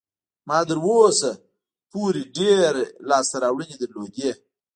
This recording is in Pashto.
ما تر اوسه پورې ډېرې لاسته راوړنې درلودې.